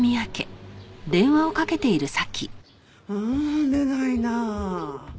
ああ出ないなあ。